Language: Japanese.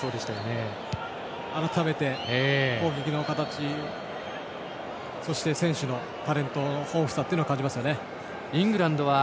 改めて攻撃の形そして選手のタレントの豊富さを感じましたね。